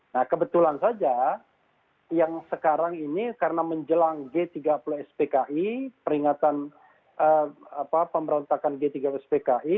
nah kebetulan saja yang sekarang ini karena menjelang g tiga puluh spki peringatan pemberontakan g tiga spki